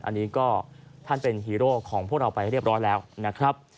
อันนี้ก็ท่านเป็นฮีโร่ของพวกเราไปเรียบร้อยแล้วนะครับ